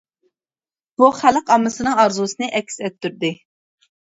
بۇ خەلق ئاممىسىنىڭ ئارزۇسىنى ئەكس ئەتتۈردى.